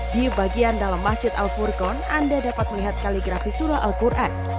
di bagian dalam masjid al furqon anda dapat melihat kaligrafi surah al quran